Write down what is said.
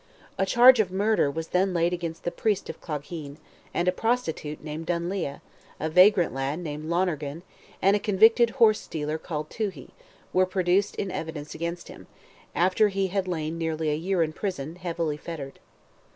A charge of murder was then laid against the priest of Clogheen, and a prostitute named Dunlea, a vagrant lad named Lonergan, and a convicted horse stealer called Toohey, were produced in evidence against him, after he had lain nearly a year in prison, heavily fettered.